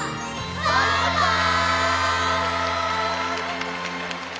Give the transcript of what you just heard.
バイバイ！